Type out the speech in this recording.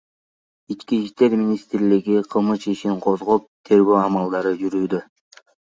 ИИМ кылмыш ишин козгоп, тергөө амалдары жүрүүдө.